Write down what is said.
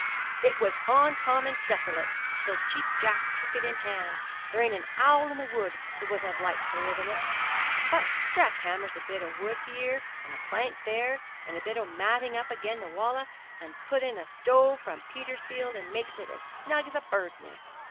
'It was oncommon deserlate till Cheap Jack took it in hand; there ain't a owl in the wood that would have liked to live in it; but Jack hammers a bit of wood here, and a plank there, and a bit o' matting up agen the walls, and puts in a stove from Petersfield, and makes it as snug as a burd's nest.